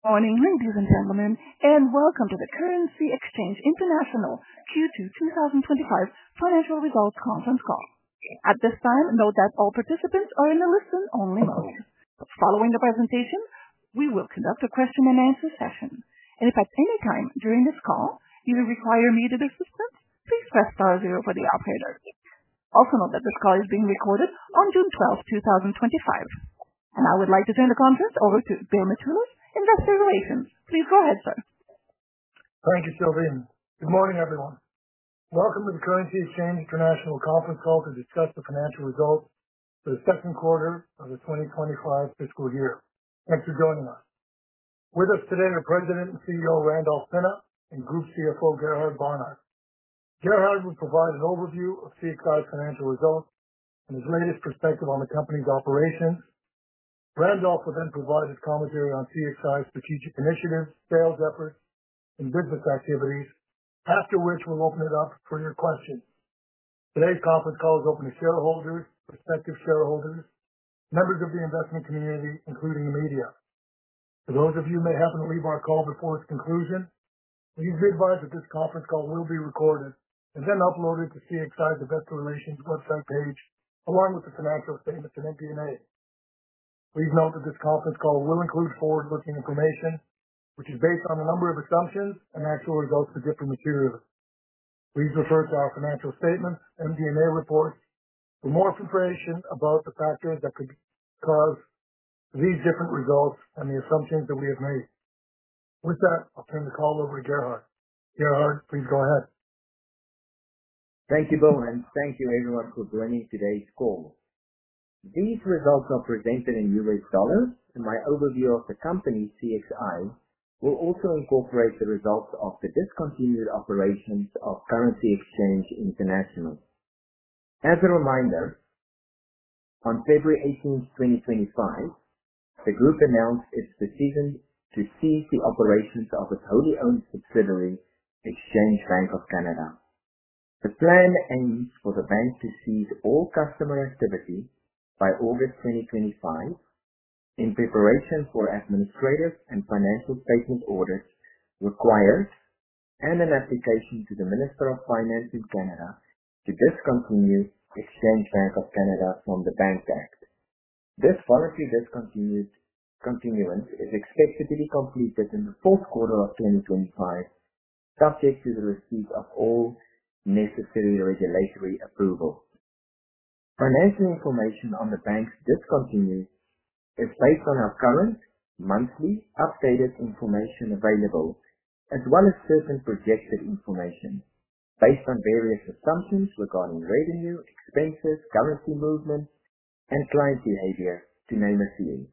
Morning ladies and gentlemen and welcome to the Currency Exchange International Q2 2025 financial results conference call. At this time, note that all participants are in the listen only mode. Following the presentation, we will conduct a question and answer session and if at any time during this call you require immediate assistance, please press star zero for the operator. Also note that this call is being recorded on June 12, 2025 and I would like to turn the conference over to Bill Mitoulas, Investor Relations. Please go ahead sir. Thank you, Sylvie. Good morning everyone. Welcome to the Currency Exchange International conference call to discuss the financial results for the second quarter of the 2025 fiscal year. Thanks for joining us. With us today are President and CEO Randolph Pinna and Group CFO Gerhard Barnard. Gerhard will provide an overview of CXI's financial results and his latest perspective on the company's operations. Randolph will then provide his commentary on CXI's strategic initiatives, sales efforts and business activities, after which we'll open it up for your questions. Today's conference call is open to shareholders, prospective shareholders, members of the investment community, including the media. For those of you who may happen to leave our call before its conclusion, please be advised that this conference call will be recorded and then uploaded to CXI's Investor Relations website page along with the financial statements and MD&A. Please note that this conference call will include forward-looking information which is based on a number of assumptions and actual results could differ materially. Please refer to our financial statements and MD&A reports for more information about the factors that could cause these different results and the assumptions that we have made. With that, I'll turn the call over to Gerhard. Gerhard, please go ahead. Thank you, Bill, and thank you, everyone, for joining today's call. These results are presented in US Dollars, and my overview of the company, CXI, will also incorporate the results of the discontinued operations of Currency Exchange International. As a reminder, on February 18th, 2025, the group announced its decision to cease the operations of its wholly owned subsidiary, Exchange Bank of Canada. The plan aims for the bank to cease all customer activity by August 2025 in preparation for administrative and financial statement audits required and an application to the Minister of Finance in Canada to discontinue Exchange Bank of Canada from the Bank Act. This voluntary discontinued continuance is expected to be completed in the fourth quarter of 2025, subject to the receipt of all necessary regulatory approval. Financial information on the Bank's discontinuity is based on our current monthly updated information available as well as certain projected information based on various assumptions regarding revenue, expenses, currency movements, and client behavior, to name a few.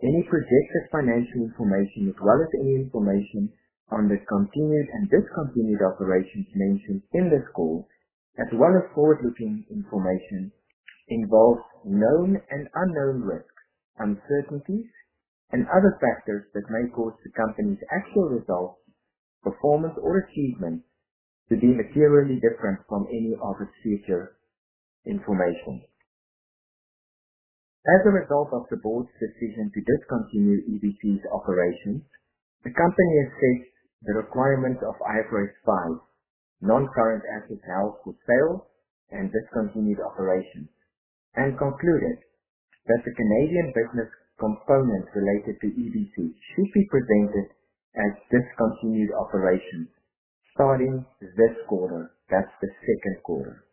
Any projected financial information as well as any information on the continued and discontinued operations mentioned in this call, as well as forward-looking information, involves known and unknown risks, uncertainties, and other factors that may cause the Company's actual results, performance, or achievement to be materially different from any of its future information. As a result of the Board's decision to discontinue EBC's operations, the company assessed the requirements of IFRS 5 non-current assets held for sale and discontinued operations and concluded that the Canadian business component related to EBC should be presented as discontinued operations starting this quarter. That's the second quarter.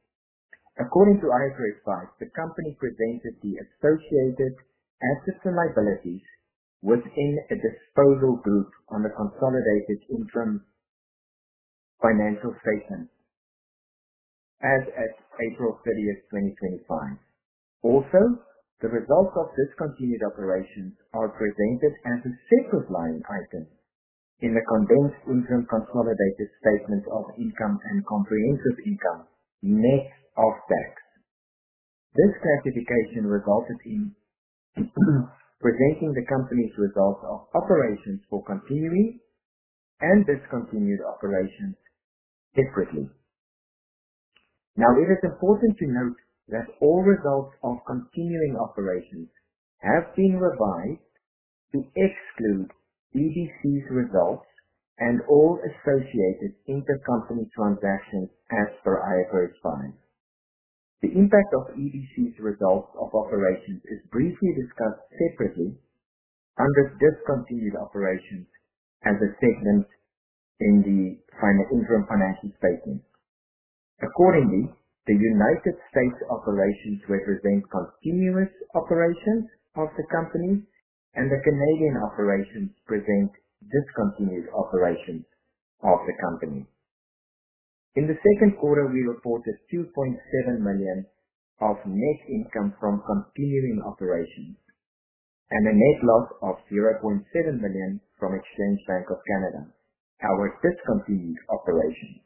According to IFRS 5, the company presented the associated assets and liabilities within a disposal group on the Consolidated Interim Financial Statement as at April 30th, 2025. Also, the results of Discontinued Operations are presented as a separate line item in the Condensed Income, Consolidated Statement of Income and Comprehensive Income Net of Tax. This classification resulted in presenting the company's results of operations for continuing and discontinued operations separately. Now it is important to note that all results of continuing operations have been revised to exclude EBC's results and all associated intercompany transactions as per IFRS filings. The impact of EBC's results of operations is briefly discussed separately under Discontinued Operations as a segment in the Interim Financial Statement. Accordingly, the United States operations represent continuing operations of the company and the Canadian operations present discontinued operations of the company. In the second quarter we reported $2.7 million of net income from continuing operations and a net loss of $0.7 million from Exchange Bank of Canada, our discontinued operations.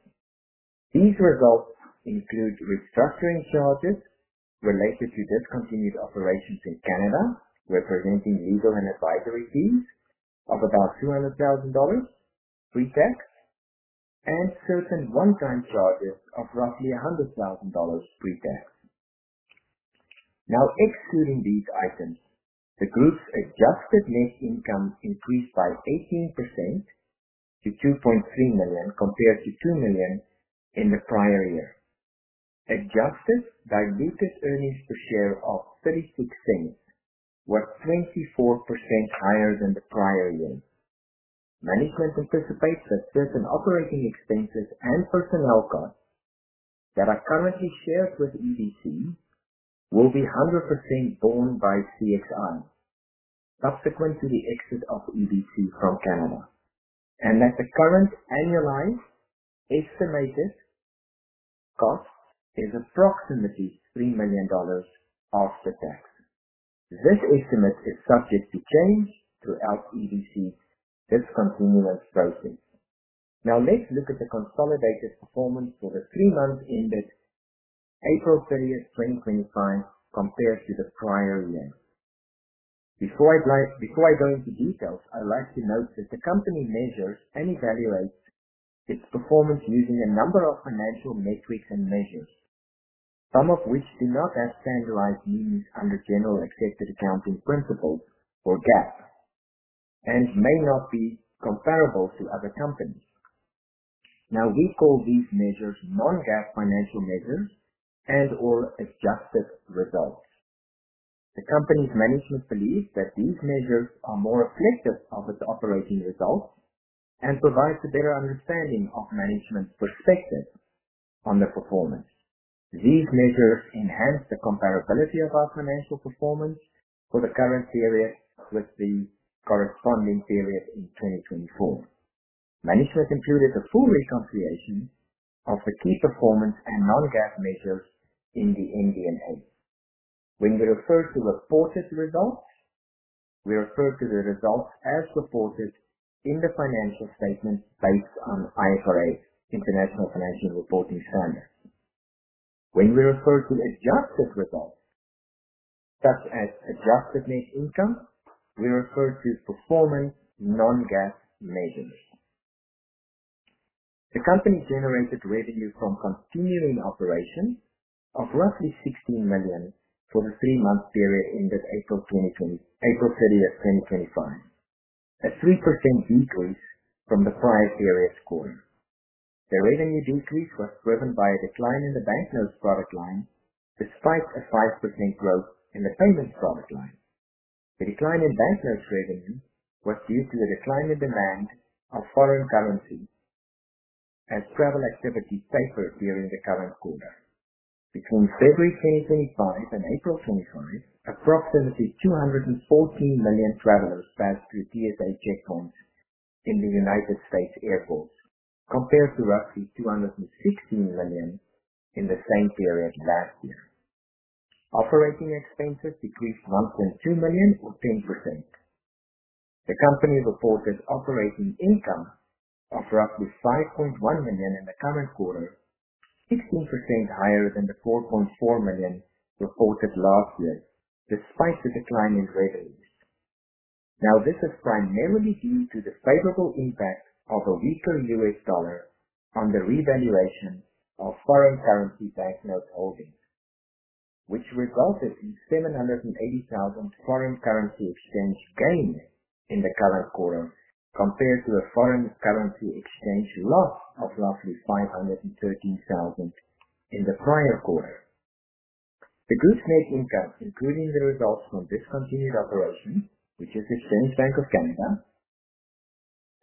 These results include restructuring charges related to discontinued operations in Canada representing legal and advisory fees of about $200,000 pre tax and certain one-time charges of roughly $100,000 pre tax. Now, excluding these items, the Group's adjusted net income increased by 18% to $2.3 million compared to $2 million in the prior year. Adjusted diluted earnings per share of $0.36 was 24% higher than the prior year. Management anticipates that certain operating expenses and personnel costs that are currently shared with EBC will be 100% borne by CXI subsequent to the exit of EBC from Canada and that the current annualized estimated cost is approximately $3 million after tax. This estimate is subject to change throughout EBC discontinuance process. Now let's look at the consolidated performance for the three months ended April 30th, 2025 compared to the prior year. Before I go into details, I'd like to note that the company measures and evaluates its performance using a number of financial metrics and measures, some of which do not have standardized means under Generally Accepted Accounting Principles or GAAP and may not be comparable to other companies. Now we call these measures non-GAAP financial measures and or adjusted results. The company's management believes that these measures are more reflective of its operating results and provides a better understanding of management's perspective on the performance. These measures enhance the comparability of our financial performance for the current period with the corresponding period in 2024. Management, a full reconciliation of the key performance and non-GAAP measures is in the MD&A. When we refer to reported results, we refer to the results as reported in the financial statement based on IFRS, International Financial Reporting Standards. When we refer to adjusted results such as adjusted net income, we refer to performance non-GAAP measures. The company generated revenue from continuing operations of roughly $16 million for the three-month period ended April 30th, 2025, a 3% decrease from the prior CRS quarter. The revenue decrease was driven by a decline in the banknotes product line despite a 5% growth in the payments product line. The decline in banknotes revenue was due to the decline in demand of foreign currency as travel activity tapered during the current quarter. Between February 2025 and April 25, approximately 214 million travelers passed through TSA checkpoints in the United States compared to roughly 216 million in the same period last year. Operating expenses decreased $1.2 million or 10%. The company reported operating income of up to $5.1 million in the current quarter, 16% higher than the $4.4 million reported last year despite the decline in revenues now. This is primarily due to the favorable impact of a weaker U.S. Dollar on the revaluation of foreign currency banknote holdings, which resulted in a $780,000 foreign currency exchange gain in the current quarter compared to a foreign currency exchange loss of roughly $513,000 in the prior quarter. The Group's net income, including the results from Discontinued Operations, which is Exchange Bank of Canada,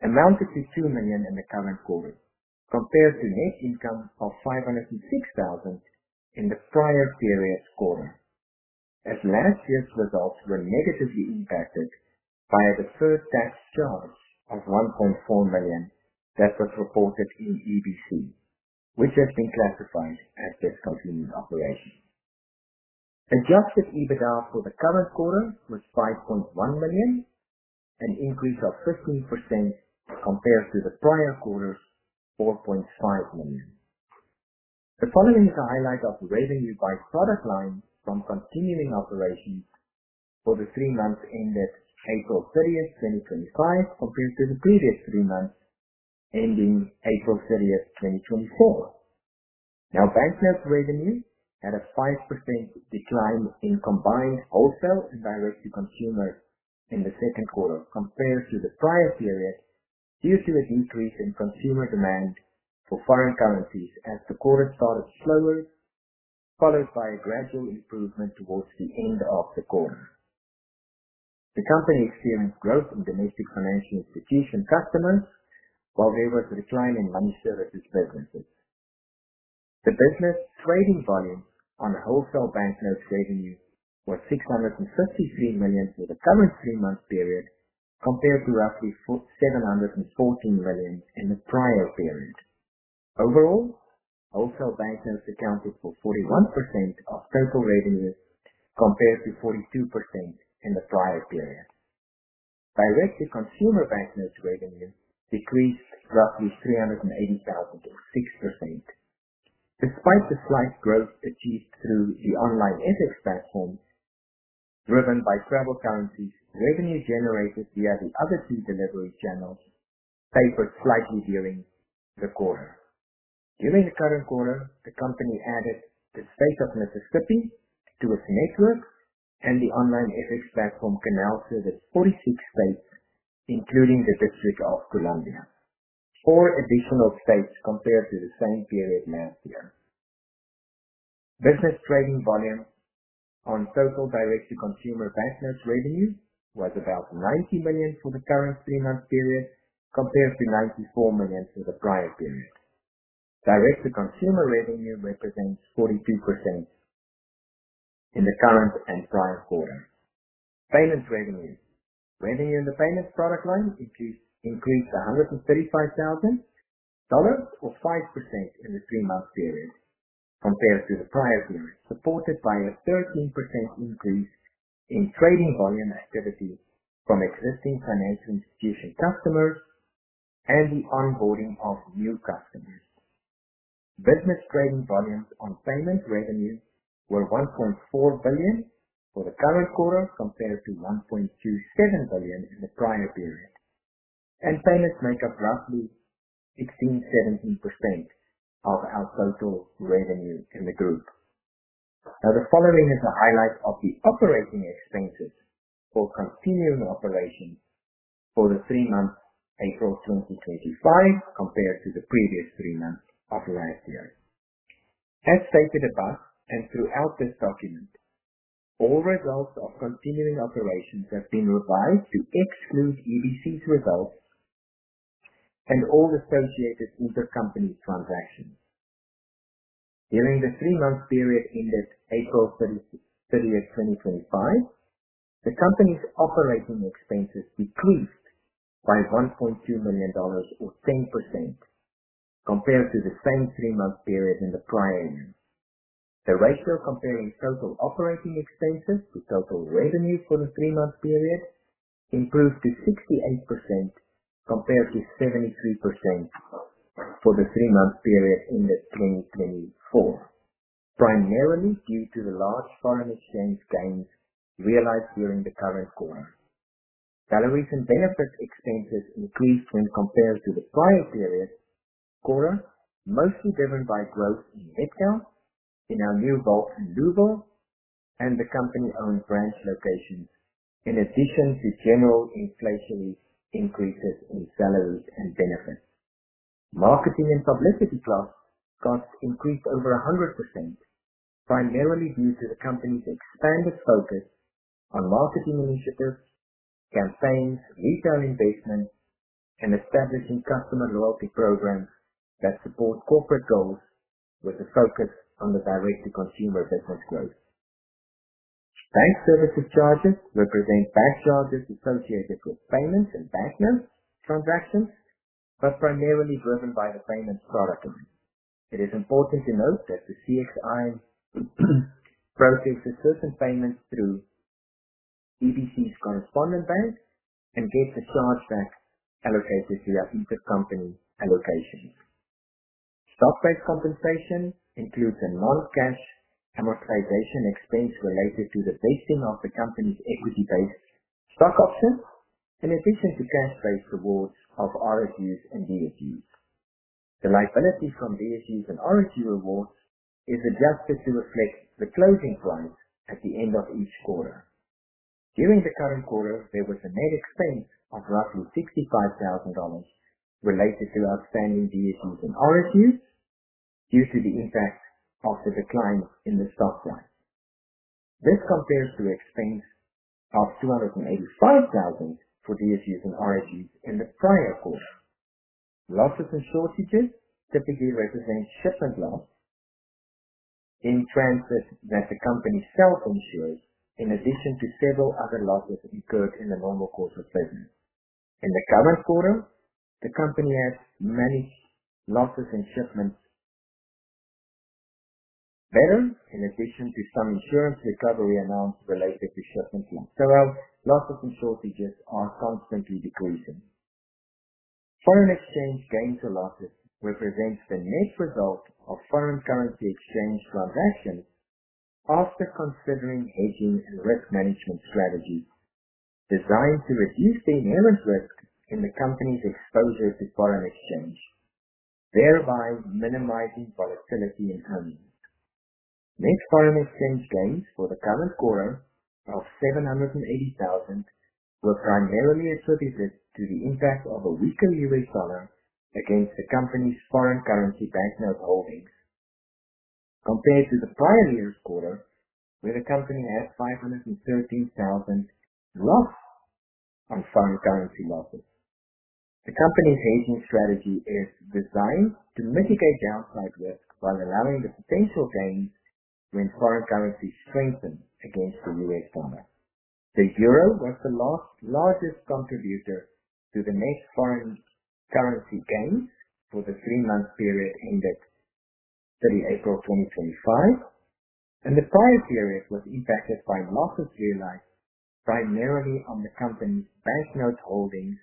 amounted to $2 million in the current quarter compared to net income of $506,000 in the prior period quarter. As last year's results were negatively impacted by a deferred tax charge of $1.4 million that was reported in EBC which has been classified as Discontinued Operations. Adjusted EBITDA for the current quarter was $5.1 million, an increase of 15% compared to the prior quarter's $4.5 million. The following is a highlight of revenue by product line from continuing operations for the three months ended April 30th, 2025 compared to the previous three months ending April 30th, 2024. Now banknote revenue had a 5% decline in combined wholesale and direct to consumer in the second quarter compared to the prior period due to a decrease in consumer demand for foreign currencies. As the quarter started slower followed by a gradual improvement. Towards the end of the quarter, the Company experienced growth in domestic financial institution customers while there was a decline in money services businesses. The business trading volume on the wholesale banknotes revenue was $653 million for the current three month period compared to roughly $714 million in the prior period. Overall, wholesale banknotes accounted for 41% of total revenue compared to 42% in the prior period. Directly, consumer banknotes revenue decreased roughly $380,000 to 6% despite the slight growth achieved through the online FX platform driven by travel currency's revenue generated via the other two delivery channels favored slightly during the quarter. During the current quarter, the company added the state of Mississippi to its network and the online FX platform can now service 46 states including the District of Columbia, four additional states compared to the same period last year. Business trading volume on total direct to consumer banknotes revenue was about $90 million for the current three month period compared to $94 million for the prior period. Direct to consumer revenue represents 42% in the current and prior quarter. Payment revenue in the payments product line increased $135,000 or 5% in the three month period compared to the prior period, supported by a 13% increase in trading volume activity from existing financial institution customers and the onboarding of new customers. Business trading volumes on payment revenue were $1.4 billion for the current quarter compared to $1.27 billion in the prior period, and payments make up roughly 16%-17% of our total revenue in the group. Now, the following is a highlight of the operating expenses for continuing operations for the three months April 2025 compared to the previous three months of last year. As stated above and throughout this document, all results of continuing operations have been revised to exclude EBC's results and all associated intercompany transactions. During the three month period ended April 30th, 2025, the Company's operating expenses decreased by $1.2 million or 10% compared to the same three month period in the plan. The ratio comparing total operating expenses to total revenue for the three month period improved to 68% compared to 73% for the three month period in 2024, primarily due to the large foreign exchange gains realized during the current quarter. Valuation benefit expenses increased when compared to the prior period quarter mostly driven by growth in Mid-Cal in our new vault in Louisville and the Company owned branch locations in addition to general inflationary increases in salaries and benefits. Marketing and publicity costs got increased over 100% primarily due to the Company's expanded focus on marketing initiatives, campaigns, retail investment and establishing customer loyalty programs that support corporate goals with a focus on the direct to consumer business growth. Bank services charges represent bank charges associated with payments and banknotes transactions but primarily driven by the payments product. It is important to note that CXI processes certain payments through EBC's correspondent bank and get the chargeback allocated to their ETA. Company stock-based compensation includes a non-cash amortization expense related to the vesting of the Company's equity-based stock option in addition to cash-based rewards of RSUs and DSUs. The liability from DSUs and RSU rewards is adjusted to reflect the closing price at the end of each quarter. During the current quarter there was a net expense of roughly $65,000 related to outstanding DSUs and RSUs due to the impact of the decline in the stock line. This compares to expense of $285,000 for DSUs and RSUs in the prior quarter. Losses and shortages typically represent shipment loss in transit that the Company self insures in addition to several other losses incurred in the normal course of business. In the current quarter, the Company has managed losses in shipments better in addition to some insurance recovery announced related to shipment loss, so our losses and shortages are constantly decreasing. Foreign exchange gains or losses represent the net result of foreign currency exchange transactions. After considering hedging and risk management strategies designed to reduce the inherent risk in the Company's exposure to foreign exchange, thereby minimizing volatility in earnings. Net foreign exchange gains for the current quarter of $780,000 were primarily attributed to the impact of a weaker U.S. dollar against the Company's foreign currency banknote holdings compared to the prior year's quarter where the Company had a $513,000 loss on foreign currency losses. The Company's hedging strategy is designed to mitigate downside risk while allowing the potential gains to when foreign currency strengthened against the U.S. Dollar. The Euro was the last largest contributor to the net foreign currency gains for the three month period index. The April 2025 and the prior period was impacted by losses realized primarily on the Company's banknote holdings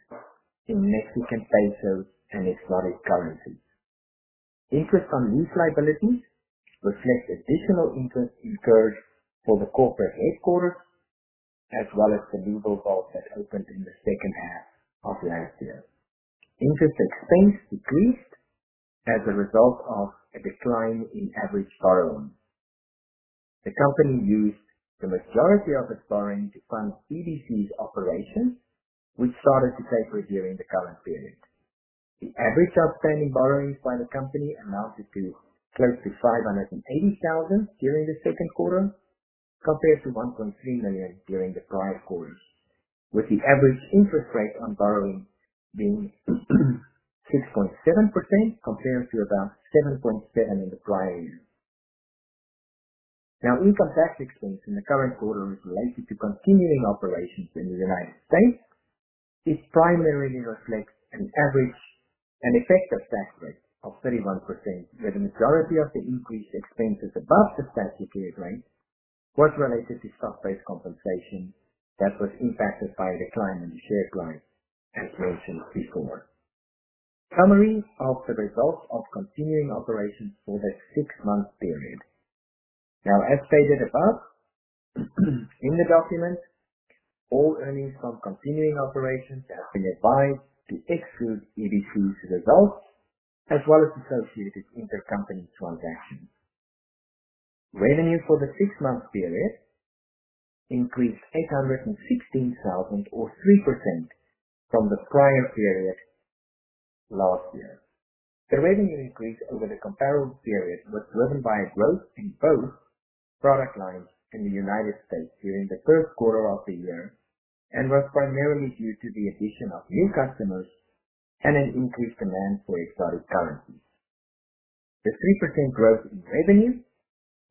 in Mexican pesos and exotic currencies. Interest on lease liabilities reflects additional interest incurred for the corporate headquarters as well as the legal vault that opened in the second half of last year. Interest expense decreased as a result of a decline in average borrowing. The Company used the majority of its borrowing to fund EBC's operations which started to take review in the current period. The average outstanding borrowings by the Company amounted to close to $580,000 during the second quarter compared to $1.3 million during the prior quarters with the average interest rate on borrowing being 6.7% compared to about 7.7% in the prior year. Now, income tax expense in the current quarter is related to continuing operations in the United States. It primarily reflects an average and effective tax rate of 31% where the majority of the increased expenses above the statute rate was related to stock based compensation that was impacted by a decline in the share price as mentioned before. Summary of the results of continuing operations for that six month period now as stated above in the document, all earnings from continuing operations have been advised to exclude EBC's results as well as associated intercompany transactions. Revenue for the six month period increased $816,000 or 3% from the prior period last year. The revenue increase over the comparable period was driven by growth in both product lines in the United States during the first quarter of the year and was primarily due to the addition of new customers and an increased demand for exotic currencies. The 3% growth in revenue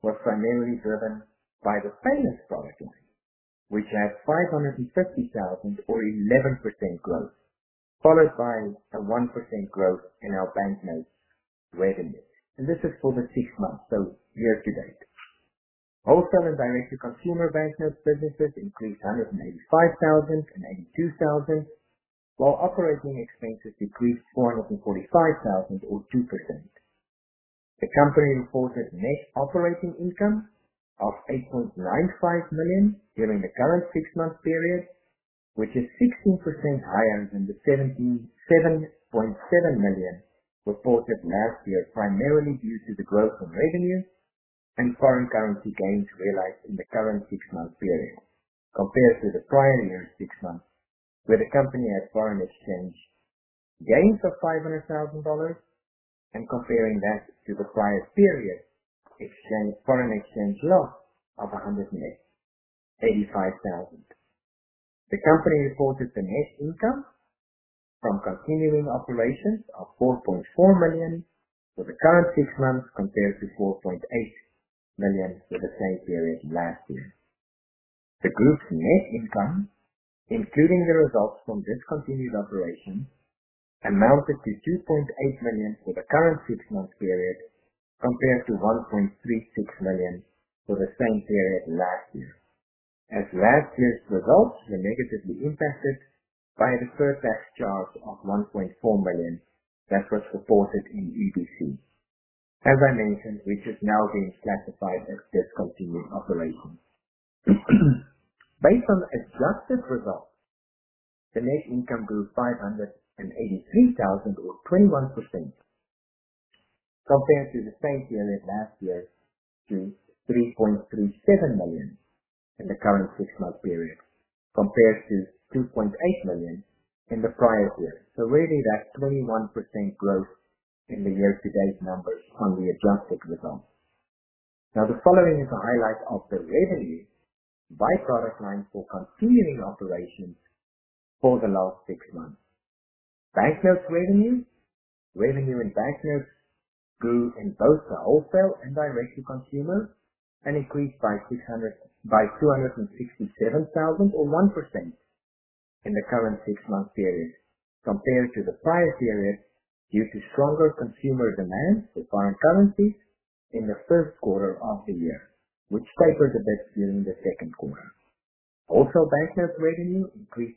was primarily driven by the payments product line which had $550,000 or 11% growth followed by a 1% growth in our banknotes and this is for the six months so year-to-date. Wholesale and direct to consumer banknotes businesses include $185,000 and $82,000 while operating expenses decreased $445,000 or 2%. The company reported net operating income of $8.95 million during the current six month period which is 16% higher than the $7.7 million reported last year primarily due to the growth in revenue and foreign currency gains realized in the current six month period compared to the prior year six months where the company had foreign exchange gains of $500,000 and comparing that to the prior period foreign exchange loss of $185,000. The company reported the net income from continuing operations of $4.4 million for the current six months compared to $4.8 million for the same period last year. The group's net income including the results from discontinued operation amounted to $2.8 million for the current six month period compared to $1.36 million for the same period last year. As last year's results were negatively impacted by a deferred tax charge of $1.4 million that was reported in EBC as I mentioned, which is now being classified as discontinued operations. Based on adjusted results, the net income grew $583,000 or 21% compared to the same period last year to $3.37 million in the current six month period compared to $2.8 million in the prior period. Really, that's 21% growth in the year-to-date. Numbers on the adjusted result. Now the following is a highlight of the revenue by product line for continuing operations for the last six months. Banknote revenue in banknotes grew in both the wholesale and direct to consumer and increased by $267,000 or 1% in the current six-month period compared to the prior period due to stronger consumer demand for foreign currencies in the first quarter of the year, which tapered a bit during the second quarter. Also, banknote revenue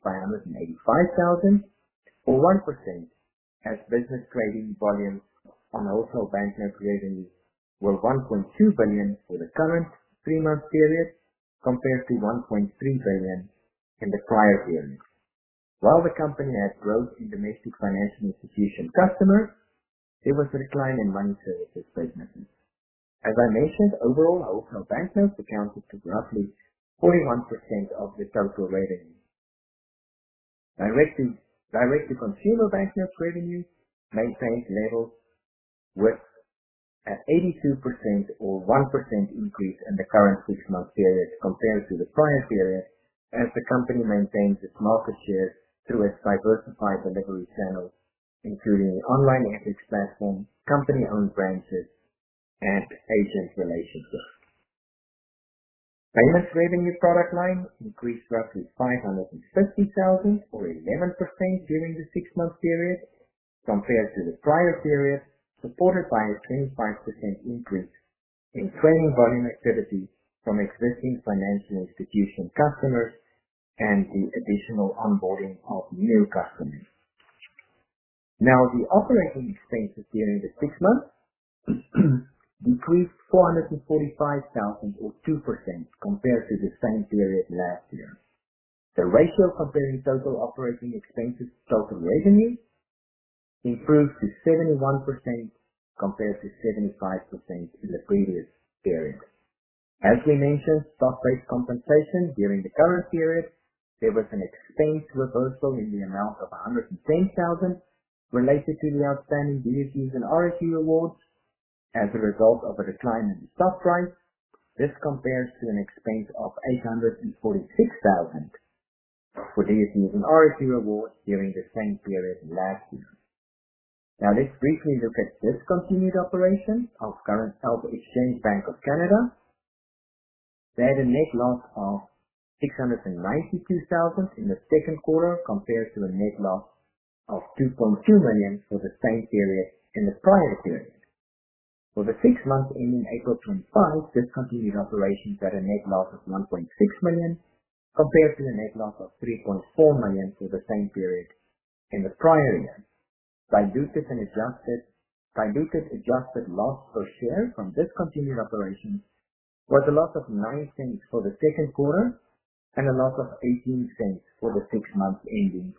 by $185,000 or 1% as business trading volumes on also banknote revenue were $1.2 billion for the current three-month period compared to $1.3 billion in the prior period. While the company had growth in domestic financial institution customers, there was a decline in money services businesses as I mentioned. Overall, our banknotes accounted to roughly 41% of the total revenue. Direct to consumer banknotes revenue maintains levels with an 82% or 1% increase in the current six month period compared to the prior period as the company maintains its market share through its diversified delivery channels including online FX platform, company owned branches and agent relationships. Payments revenue product line increased roughly $550,000 or 11% during the six month period compared to the prior period supported by a 25% increase in trading volume activity from existing financial institution customers and the additional onboarding of new customers. Now the operating expenses during the six months decreased $445,000 or 2% compared to the same period last year. The ratio comparing total operating expenses to total revenue improved to 71% compared to 75% in the previous period. As we mentioned, stock-based compensation during the current period, there was an expense reversal in the amount of $110,000 related to the outstanding DSU and RSU awards as a result of a decline in the stock price. This compares to an expense of $846,000 for DSUs and RSU awards during the same period last year. Now let's briefly look at discontinued operation of current Exchange Bank of Canada. They had a net loss of $692,000 in the second quarter compared to a net loss of $2.2 million for the same period in the prior year. For the six months ending April 25, discontinued operations had a net loss of $1.6 million compared to the net loss of $3.4 million for the same period in the prior year. Diluted Adjusted loss per share from discontinued operations was a loss of $0.09 for the second quarter and a loss of $0.18 for the six months ending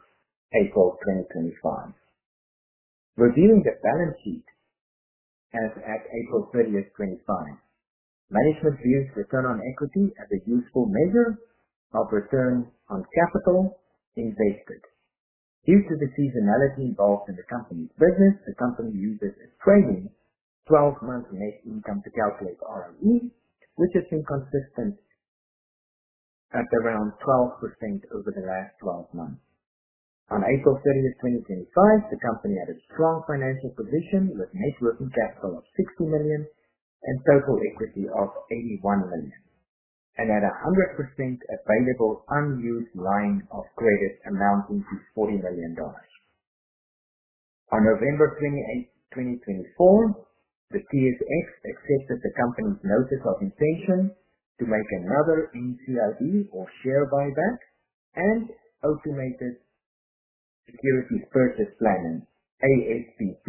April 2025. Reviewing the balance sheet as at April 2025, management views return on equity as a useful measure of return on capital invested due to the seasonality involved in the Company's business. The company uses its trailing 12 month net income to calculate ROE which has been consistent at around 12% over the last 12 months. On April 2025 the company had a strong financial position with net working capital of $60 million and total equity of $81 million and a 100% available unused line of credit amounting to $40 million. On November 28th, 2024, the TSX accepted the Company's Notice of intention to make another NCIB or share buyback and automated securities purchase plan ASPP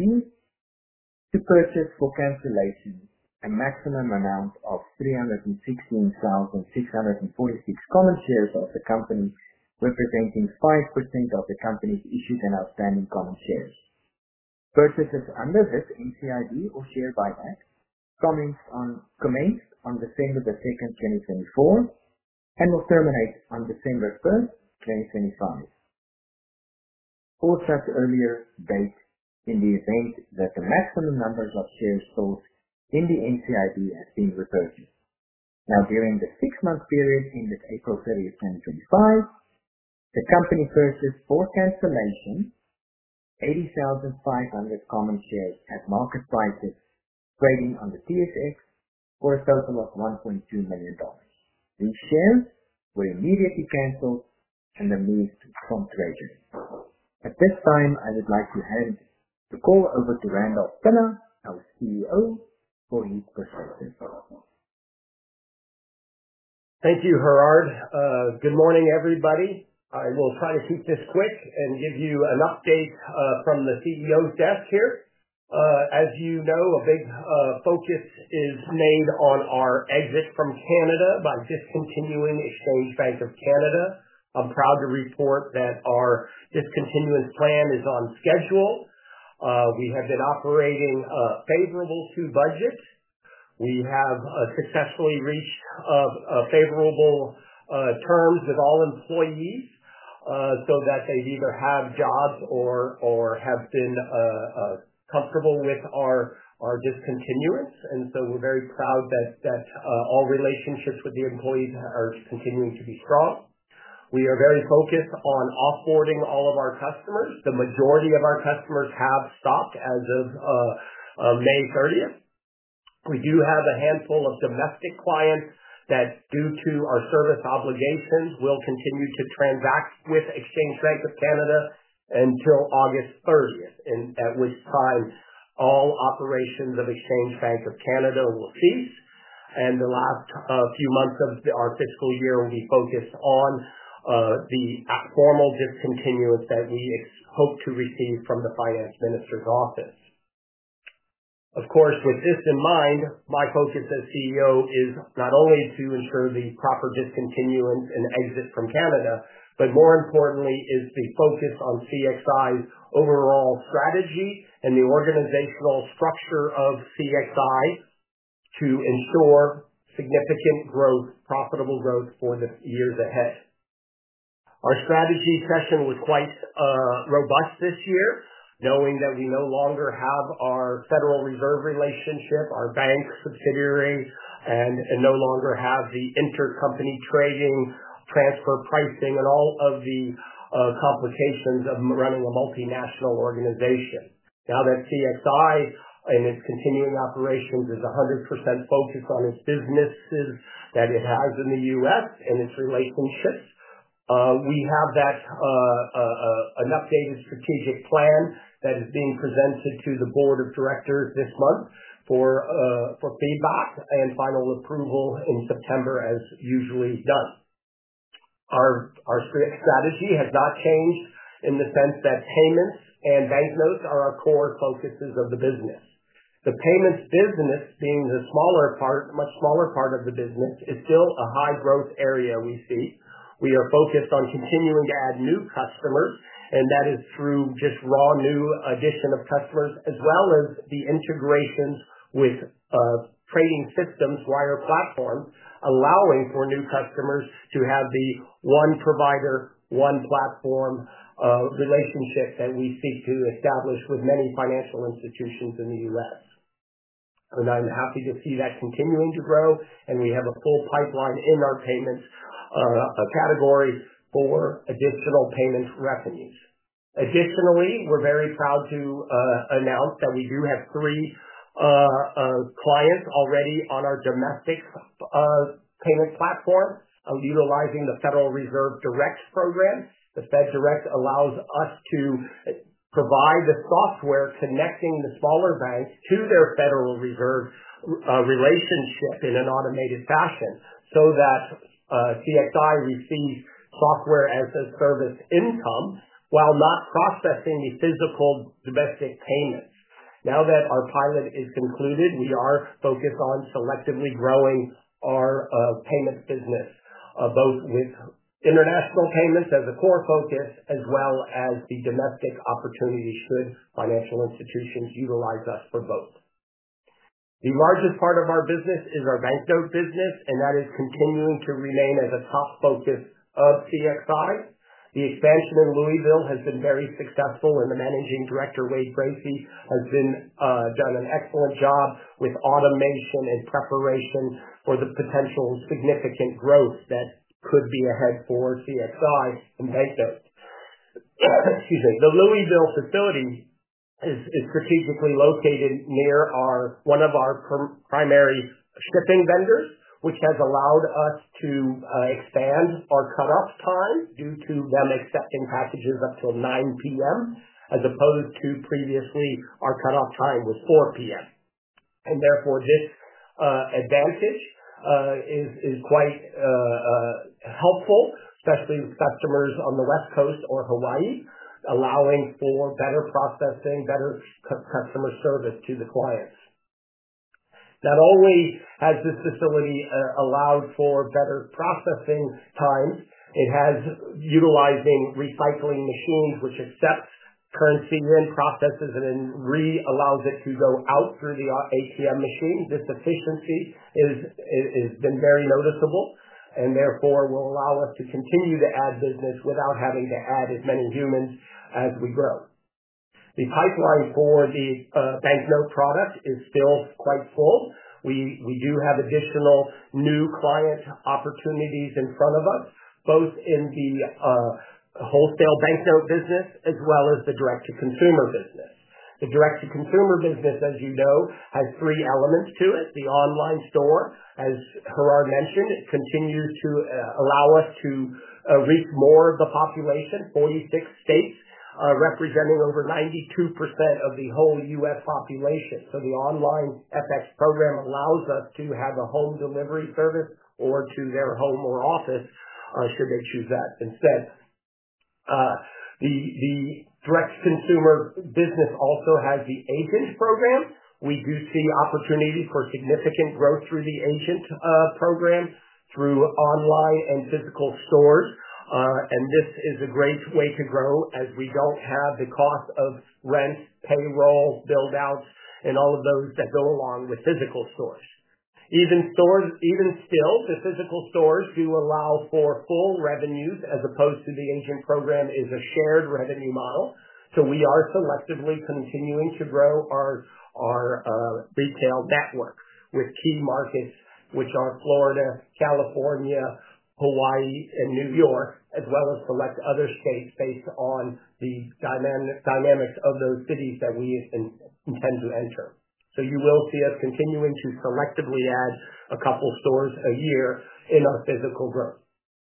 to purchase for cancellation a maximum amount of 316,646 common shares of the Company representing 5% of the Company's issued and outstanding common shares. Purchases under this NCIB or share buyback commenced on 2nd December, 2024, and will terminate on December 1st, 2025, or such earlier date in the event that the maximum number of shares sold in the NCIB has been reached. Now during the six-month period ended April 2025, the Company purchased for cancellation 80,500 common shares at market prices trading on the TSX for a total of $1.2 million. These shares were immediately cancelled and then moved to prompt raising. At this time I would like to hand the call over to Randolph Pinna, CEO, for you. Thank you. Gerhard. Good morning everybody. I will try to keep this quick and give you an update from the CEO's desk here. As you know, a big focus is made on our exit from Canada by discontinuing Exchange Bank of Canada. I'm proud to report that our discontinuance plan is on schedule. We have been operating favorable to budget. We have successfully reached favorable terms with all employees so that they either have jobs or have been comfortable with our discontinuance and so we're very proud that all relationships with the employees are continuing to be strong. We are very focused on off boarding all of our customers. The majority of our customers have staff stock as of May 30th. We do have a handful of domestic clients that due to our service obligations will continue to transact with Exchange Bank of Canada until August 30th, at which time all operations of Exchange Bank of Canada will cease and the last few months of our fiscal year will be focused on the formal discontinuance that we expect hope to receive from the Finance Minister's office. Of course, with this in mind, my focus as CEO is not only to ensure the proper discontinuance and exit from Canada, but more importantly is the focus on CXI's overall strategy and the organizational structure of CXI to ensure significant growth, profitable growth for the years ahead. Our strategy session was quite robust this year knowing that we no longer have our Federal Reserve relationship, our bank subsidiary, and no longer have the intercompany trading, transfer, pricing and all of the complications of running a multinational organization. Now that CXI and its continuing operations is 100% focused on its businesses that it has in the U.S. and its relationships, we have an updated strategic plan that is being presented to the Board of Directors this month for feedback and final approval in September. As usually done, our strategy has not changed in the sense that payments and banknotes are our core focuses of the business. The payments business being the much smaller part of the business is still a high growth area. We see we are focused on continuing to add new customers and that is through just raw new addition of customers as well as the integrations with trading systems wire platform allowing for new customers to have the one provider one platform relationship that we seek to establish with many financial institutions in the U.S. I'm happy to see that continuing to grow and we have a full pipeline in our payments category for additional payment revenues. Additionally, we're very proud to announce that we do have three clients already on our domestic payment platform utilizing the Federal Reserve Direct program. The Fed Direct allows us to provide the software connecting the smaller bank to their Federal Reserve relationship in an automated fashion so that CXI receives software as a service income while not processing physical domestic payments. Now that our pilot is concluded, we are focused on selectively growing our payments business both with international payments as a core focus as well as the domestic opportunity. Should financial institutions utilize us for both? The largest part of our business is our banknote business and that is continuing to remain as a top focus of CXI. The expansion in Louisville has been very successful and the Managing Director Wade Gracey has done an excellent job with automation and preparation for the potential significant growth that could be ahead for CXI and Banknotes. The Louisville facility is strategically located near one of our primary shipping vendors, which has allowed us to expand our cutoff time due to them accepting packages up until 9:00 P.M. as opposed to previously. Our cutoff time was 4:00 P.M. and therefore this advantage is quite helpful especially with customers on the West Coast or Hawaii, allowing for better processing, better customer service to the clients. Not only has this facility allowed for better processing times, it has utilized recycling machines which accept currency and process and reallow it to go out through the ATM machine. This efficiency has been very noticeable and therefore will allow us to continue to add business without having to add as many humans as we grow. The pipeline for the banknote product is still quite full. We do have additional new client opportunities in front of us, both in the wholesale banknote business as well as the direct to consumer business. The direct to consumer business, as you know, has three elements to it. The online store, as Gerhard mentioned, continues to allow us to reach more of the population, 46 states representing over 92% of the whole U.S. population. The online FX program allows us to have a home delivery service to their home or office should they choose that instead. The direct-to-consumer business also has the agent program. We do see opportunity for significant growth through the agent program through online and physical stores, and this is a great way to grow as we do not have the cost of rent, payroll, build-outs, and all of those that go along with physical stores. Even still, the physical stores do allow for full revenues as opposed to the agent program, which is a shared revenue model. We are selectively continuing to grow our retail network with key markets which are Florida, California, Hawaii, and New York as well as select other states based on the dynamics of those cities that we intend to enter. You will see us continuing to selectively add a couple stores a year in our physical growth.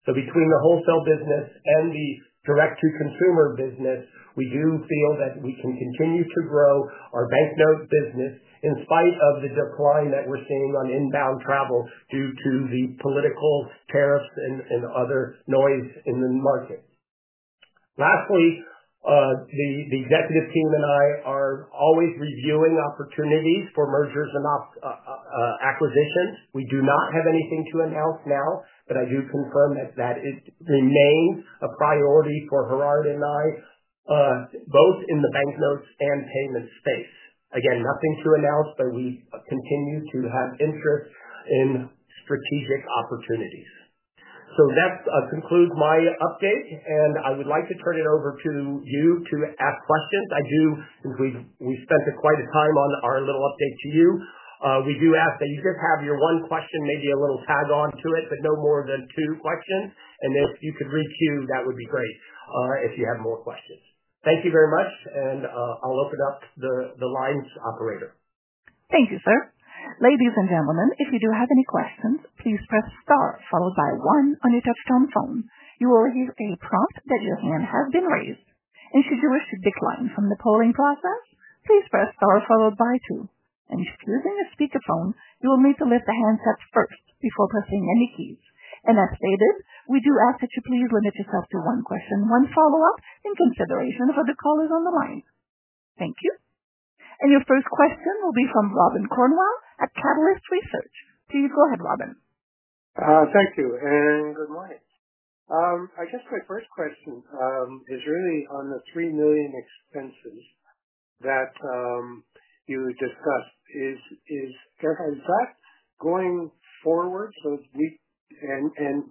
Between the wholesale business and the direct to consumer business, we do feel that we can continue to grow our banknote business in spite of the decline that we're seeing on inbound travel due to the political tariffs and other noise in the market. Lastly, the executive team and I are always reviewing opportunities for mergers and acquisitions. We do not have anything to announce now, but I do confirm that that remains a priority for Gerhard and I both in the banknotes and payments space. Again, nothing to announce, but we continue to have interest in strategic opportunities. That concludes my update and I would like to turn it over to you to ask questions. Since we spent quite a time on our little update to you, we do ask that you just have your one question, maybe a little tag on to it, but no more than two. If you could requeue, that would be great if you have more questions. Thank you very much and I'll open up the lines. Operator. Thank you sir. Ladies and gentlemen, if you do have any questions, please press star followed by one. On your touch tone phone, you will receive a prompt that your hand has been raised. Should you wish to decline from the polling process, please press star followed by two. If using a speakerphone, you will need to lift the handset first before pressing any keys. As stated, we do ask that you please limit yourself to one question, one follow up in consideration for the callers on the line. Thank you. Your first question will be from Robin Cornwell at Catalyst Research. Please go ahead. Robin. Thank you and good morning. I guess my first question is really on the $3 million expenses that you discussed. Is that going forward and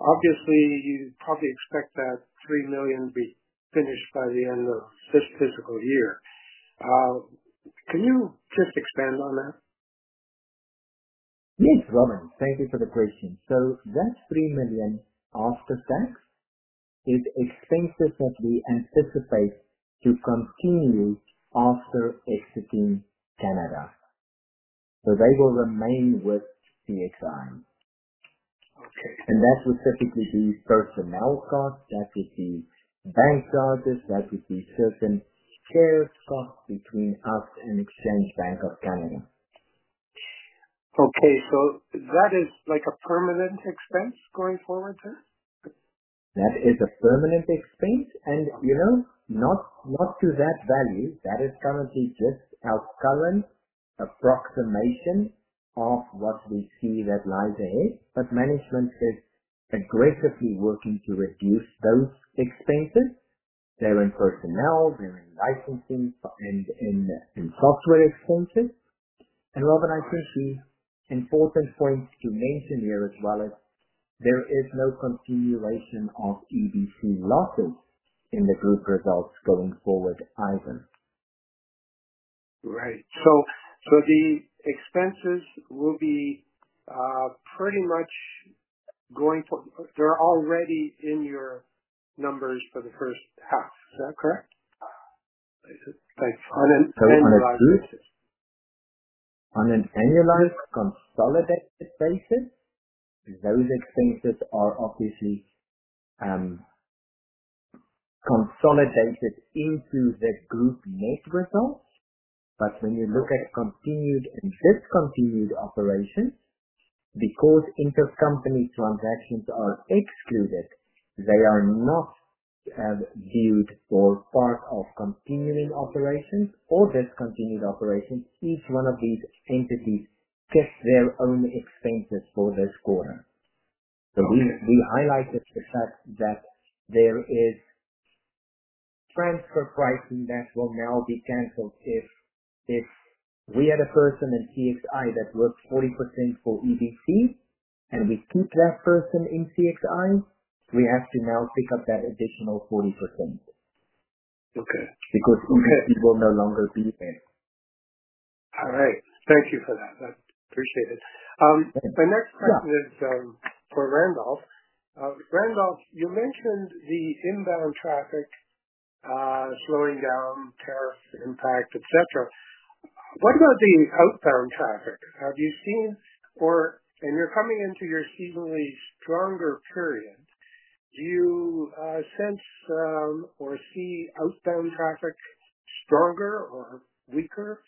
obviously you probably expect that $3 million to be finished by the end of this fiscal year. Can you just expand on that? Yes, Robin, thank you for the question. So that $3 million after tax is expenses that we anticipate to continue after exiting Canada. They will remain with CXI. That would typically be personnel costs. That would be bank charges. That would be certain shared costs between us and Exchange Bank of Canada. Okay. That is like a permanent expense going forward. That is a permanent expense and you know, not to that value. That is currently just our current approximation of what we see that lies ahead. Management is aggressively working to reduce those expenses. They are in personnel, they are in licensing and in software expenses. Robin, I can see important point to mention here as well is there is no continuation of EBC losses in the group results going forward either. Right. The expenses will be pretty much going to. They're already in your numbers for the. First half, is that correct? On an annualized consolidated basis, those expenses are obviously consolidated into the group net results. When you look at continued and discontinued operations because intercompany transactions are excluded, they are not viewed for part of continuing operations or discontinued operations. Each one of these entities get their own expenses for this quarter. We highlighted the fact that there is transfer pricing that will now be canceled. If we had a person in CXI that worked 40% for EBC and we keep that person in CXI, we have to now pick up that additional 40%. Okay. Because it will no longer be there. All right. Thank you for that. I appreciate it. My next question is for Randolph. Randolph, you mentioned the inbound traffic slowing down, tariff impact, et cetera. What about the outbound traffic? Have you seen or, and you're coming into your seemingly stronger period, do you sense or see outbound traffic stronger or weaker?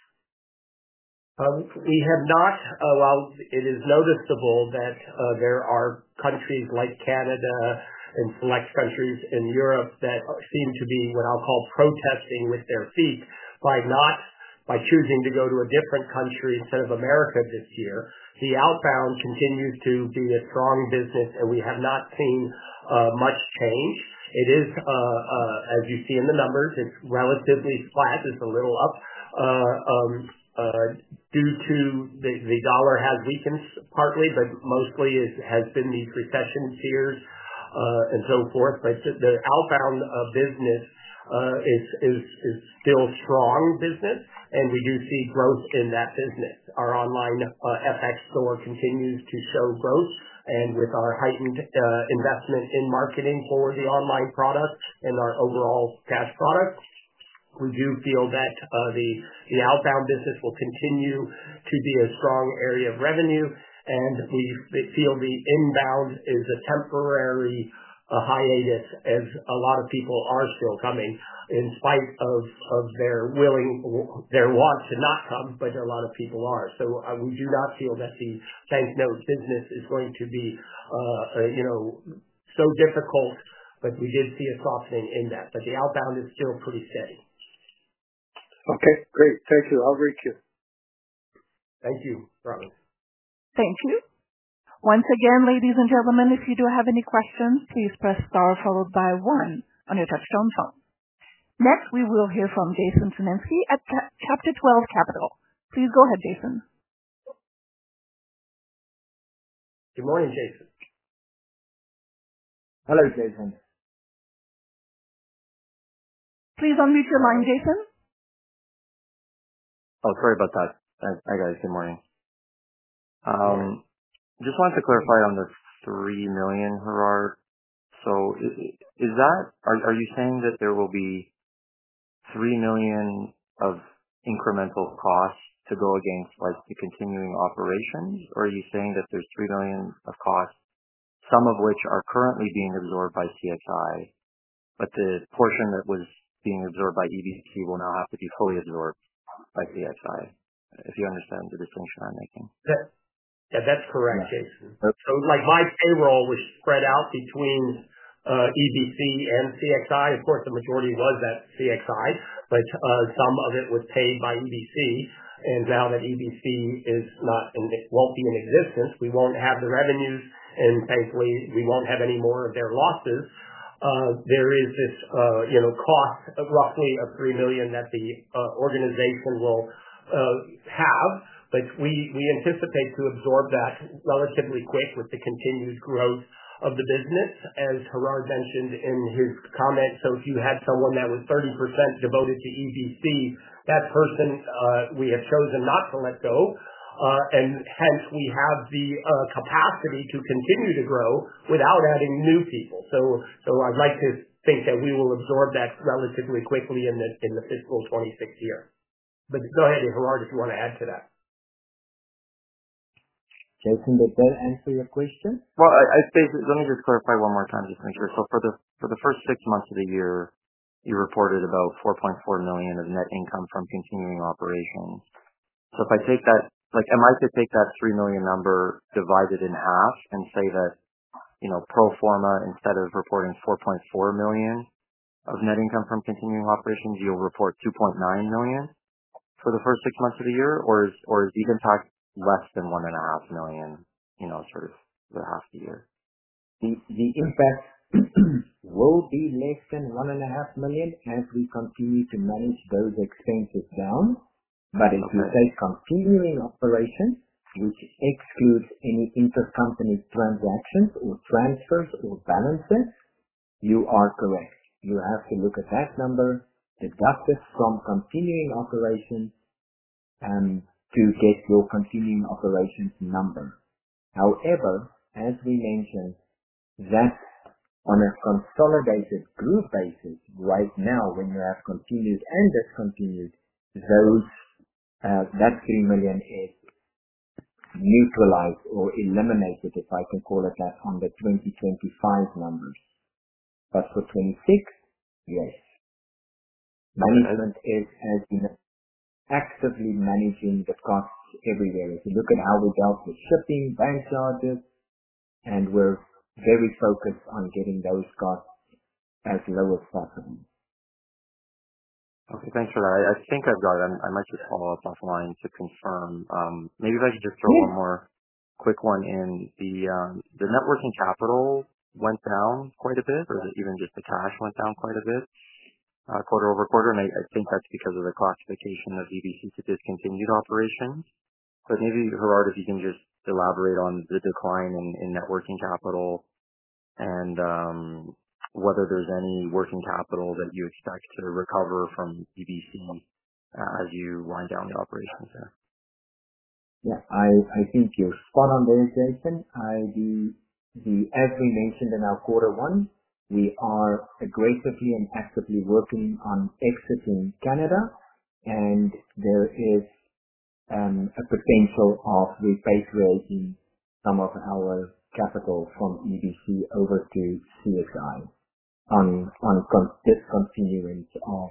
We have not. While it is noticeable that there are countries like Canada and select countries in Europe that seem to be what I'll call protesting with their feet by not by choosing to go to a different country instead of America. This year, the outbound continues to be a strong business and we have not seen much change. It is as you see in the numbers, it's relatively flat, it's a little. Up. Due to the dollar has weakened partly, but mostly has been these recession fears and so forth. The outbound business is still strong business and we do see growth in that business. Our online FX store continues to show growth and with our heightened investment in marketing for the online product and our overall cash product, we do feel that the outbound business will continue to be a strong area of revenue. We feel the inbound is a temporary hiatus as a lot of people are still coming in spite of their willing, their want to not come, but a lot of people are. We do not feel that the banknote business is going to be, you know, so difficult, but we did see a softening in that. The outbound is still pretty steady. Okay, great. Thank you. I'll break you. Thank you. Thank you. Once again, ladies and gentlemen, if you do have any questions, please press star followed by one on your touchtone phone. Next we will hear from Jason Senensky at Chapter 12 Capital. Please go ahead. Jason. Good morning, Jason. Hello, Jason. Please unmute your line. Jason. Oh, sorry about that. I got it. Good morning. Just wanted to clarify on the $3 million. Hurrah. With that are you saying that there will be $3 million of incremental costs to go against the continuing operations or are you saying that there's $3 million of costs, some of which are currently being absorbed by CXI, but the portion that was being absorbed by EBC will now have to be fully absorbed by CXI? If you understand the distinction I'm making. That's correct, Jason. Like my payroll was spread out between EBC and CXI. Of course the majority was at CXI, but some of it was paid by EBC. Now that EBC will not be in existence, we will not have the revenues and thankfully we will not have any more of their losses. There is this cost roughly of $3 million that the organization was to have, but we anticipate to absorb that relatively quick with the continued growth of the business, as Gerhard mentioned in his comments. If you had someone that was 30% devoted to EBC, that person we have chosen not to let go and hence we have the capacity to continue to grow without adding new people. I would like to think that we will absorb that relatively quickly in the fiscal 2026 year. Go ahead, Gerhard, if you want. To add to that. Jason, did that answer your question? Let me just clarify one more. Time just to make sure. For the first six months of the year you reported about $4.4 million of net income from continuing operations. If I take that, am I to take that $3 million number divided in half and say that, you know, pro forma, instead of reporting $4.4 million of net income from continuing operations, you'll report $2.9 million for the first six months of the year or is the impact less than $1.5 million? You know, sort of the half year. The impact will be less than $1.5 million as we continue to manage those expenses down. If you say continuing operations, which excludes any intercompany transactions or transfers or balancing, you are correct. You have to look at that number, deduct it from continuing operations to get your continuing operations number. However, as we mentioned that on a consolidated group basis right now, when you have continued and discontinued, that $3 million is neutralized or eliminated, if I can call it that, on the 2025 numbers. For 2026, yes, management has been actively managing the costs everywhere. If you look at how we dealt with shipping, bank charges, and we are very focused on getting those costs as low as possible. Okay, thanks for that. I think I've got, I might just follow up offline to confirm. Maybe if I could just throw one. More quick one in the net working capital went down quite a bit or even just the cash went down quite a bit, quarter over quarter. I think that's because of the classification of EBC to discontinued operations. Maybe Gerhard, if you can just elaborate on the decline in net working capital and whether there's any working capital that you expect to recover from EBC as you wind down the operations there. Yeah, I think you're spot on there, Jason. As we mentioned in our quarter one, we are aggressively and actively working on exiting Canada and there is a potential of repatriating some of our capital from EBC over to CXI on discontinuance of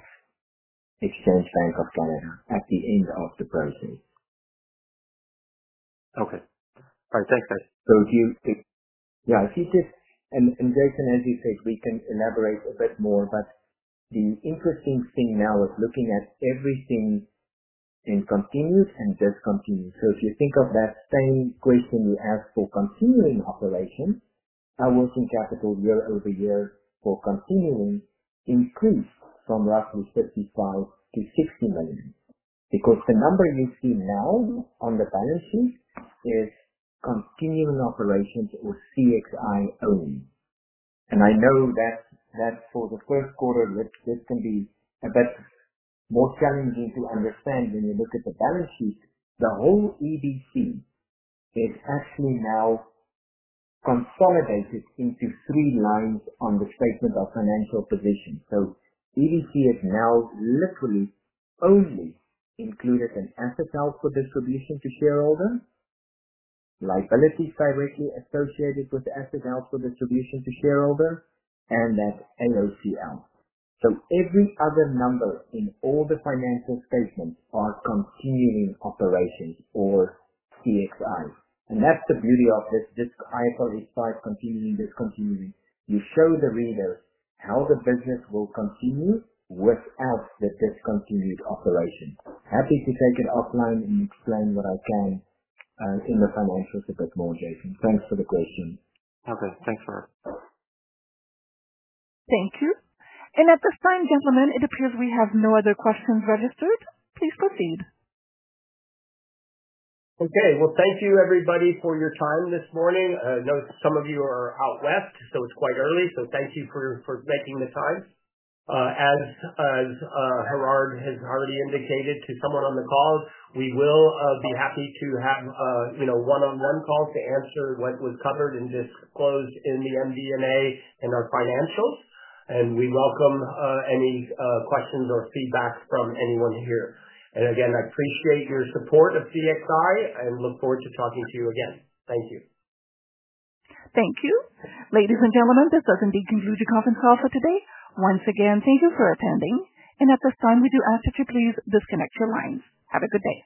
Exchange Bank of Canada at the end of the process. Okay. All right, thanks guys. If you just, and Jason, as you said, we can elaborate a bit more. The interesting thing now is looking at everything in continued and discontinued. If you think of that same question you asked for continuing operations, our working capital year-over-year for continuing increased from roughly $35 million-$60 million. The number you see now on the balance sheet is continuing operations or CXI only. I know that for the first quarter this can be a bit more challenging to understand when you look at the balance sheet. The whole EBC is actually now consolidated into three lines on the statement of financial position. EBC is now literally only included in asset held for distribution to shareholders, liabilities directly associated with asset held for distribution to shareholders, and that AOCL. Every other number in all the financial statements are continuing operations or CXI. That is the beauty of this IFRS 5 continuing discontinuing. You show the reader how the business will continue without the discontinued operation. Happy to take it offline and explain what I can in the financials a bit more, Jason. Thanks for the question. Okay, thanks Gerhard. Thank you. At this time, gentlemen, it appears we have no other questions registered. Please proceed. Okay, thank you everybody for your time this morning. I know some of you are out west, so it's quite early. Thank you for making the time. As Gerhard has already indicated to someone on the call, we will be happy to have one on one calls to answer what was covered and disclosed in the MD&A and our financials. We welcome any questions or feedback from anyone here. I appreciate your support of CXI and look forward to talking to you again. Thank you. Thank you. Ladies and gentlemen, this does indeed conclude your conference call for today. Once again, thank you for attending and at this time we do ask that you please disconnect your lines. Have a good day.